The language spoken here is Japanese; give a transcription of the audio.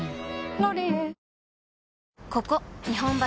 「ロリエ」